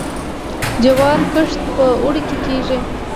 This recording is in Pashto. د جوارو کښت په اوړي کې کیږي.